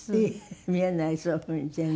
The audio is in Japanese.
見えないそういうふうに全然。